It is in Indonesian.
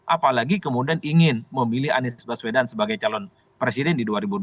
apalagi kemudian ingin memilih anies baswedan sebagai calon presiden di dua ribu dua puluh